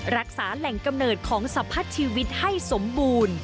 รักษาแหล่งกำเนิดของสัมพัดชีวิตให้สมบูรณ์